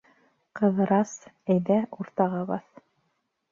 — Ҡыҙырас, әйҙә, уртаға баҫ!